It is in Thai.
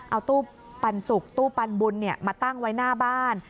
เอาตู้ปันสุกตู้ปันบุญมาตั้งไว้หน้าบ้าน